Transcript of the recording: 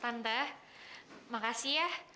tante makasih ya